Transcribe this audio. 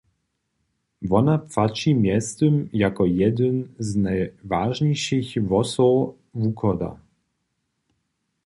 Wona płaći mjeztym jako jedyn z najwažnišich hłosow wuchoda.